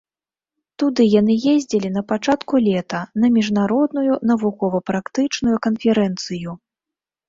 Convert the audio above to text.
Туды яны ездзілі на пачатку лета на міжнародную навукова-практычную канферэнцыю.